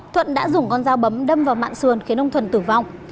thuận đã dùng con dao bấm đâm vào mạng xườn khiến ông thuận tử vong